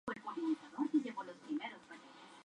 Fire fue lanzado como el segundo single del álbum.